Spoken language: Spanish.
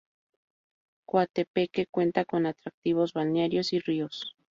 Coatepeque cuenta con atractivos balnearios y ríos.